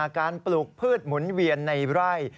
การปลูกพืชหมุนเวียนในไร่